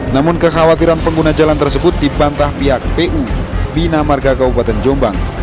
namun kekhawatiran pengguna jalan tersebut dibantah pihak pu bina marga kabupaten jombang